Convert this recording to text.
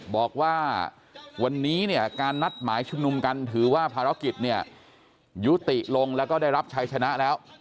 บอกว่าวันนี้เนี่ยการนัดหมายชุมนุมกันถือว่าภารกิจเนี่ยยุติลงแล้วก็ได้รับชัยชนะแล้ว